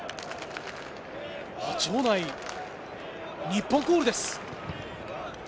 場内、日本コールです。